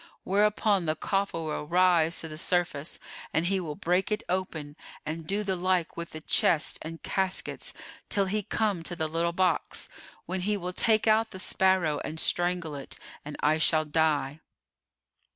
Whereupon the coffer will rise to the surface and he will break it open and do the like with the chests and caskets, till he come to the little box, when he will take out the sparrow and strangle it, and I shall die.